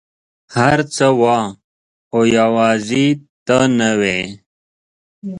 هر څه وه ، خو یوازي ته نه وې !